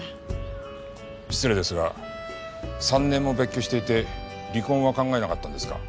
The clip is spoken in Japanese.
失礼ですが３年も別居していて離婚は考えなかったんですか？